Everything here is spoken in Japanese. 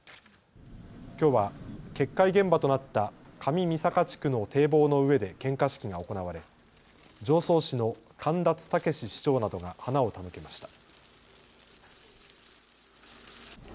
きょうは決壊現場となった上三坂地区の堤防の上で献花式が行われ常総市の神達岳志市長などが花を手向けました。